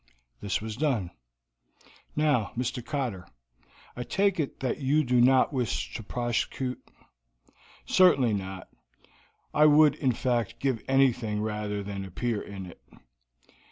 This was done. "Now, Mr. Cotter. I take it that you do not wish to prosecute?" "Certainly not. I would, in fact, give anything rather than appear in it."